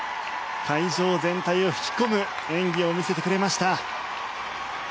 会場全体を引き込む演技を見せてくれました。